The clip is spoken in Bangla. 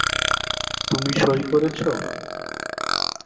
তুমি সঁই করেছ?